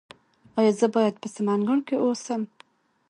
ایا زه باید په سمنګان کې اوسم؟